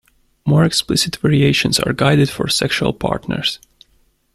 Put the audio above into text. More explicit variations are guides for sexual partners.